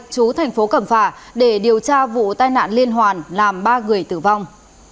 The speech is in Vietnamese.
chú thành phố cẩm phả để điều tra vụ tai nạn liên hoàn làm ba người tử vong